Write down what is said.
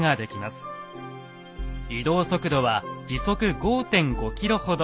移動速度は時速５．５ｋｍほど。